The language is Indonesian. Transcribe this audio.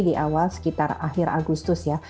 di awal sekitar akhir agustus ya